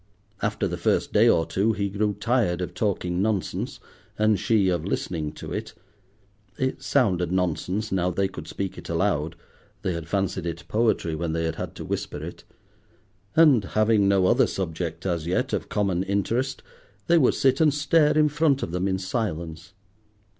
After the first day or two he grew tired of talking nonsense, and she of listening to it (it sounded nonsense now they could speak it aloud; they had fancied it poetry when they had had to whisper it); and having no other subject, as yet, of common interest, they would sit and stare in front of them in silence.